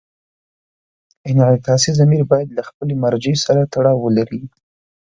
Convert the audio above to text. انعکاسي ضمیر باید له خپلې مرجع سره تړاو ولري.